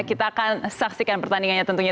kita akan saksikan pertandingannya tentunya